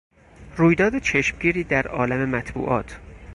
رویداد چشمگیری در عالم مطبوعات